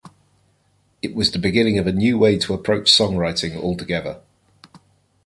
It was the beginning of a new way to approach songwriting altogether.